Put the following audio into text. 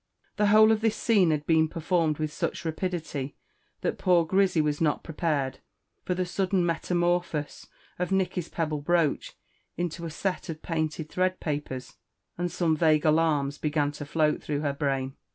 The whole of this scene had been performed with such rapidity that poor Grizzy was not prepared for the sudden metamorphose of Nicky's pebble brooch into a set of painted thread papers, and some vague alarms began to float through her brain.